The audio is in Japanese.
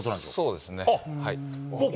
そうですね。